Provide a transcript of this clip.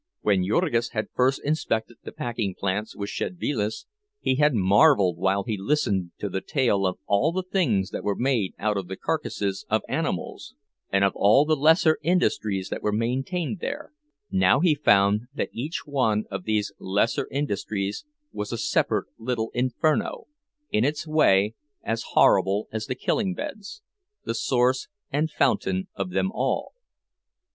When Jurgis had first inspected the packing plants with Szedvilas, he had marveled while he listened to the tale of all the things that were made out of the carcasses of animals, and of all the lesser industries that were maintained there; now he found that each one of these lesser industries was a separate little inferno, in its way as horrible as the killing beds, the source and fountain of them all.